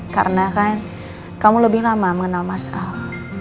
karena kan kamu lebih lama mengenal mas al